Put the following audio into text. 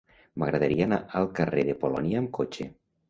M'agradaria anar al carrer de Polònia amb cotxe.